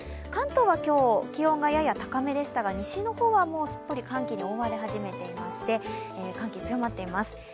関東は今日、気温がやや高めでしたが、西の方はすっぽり寒気に覆われ始めていまして寒気が強まっています。